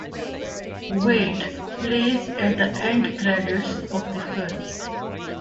"Wait" plays at the end credits of the film.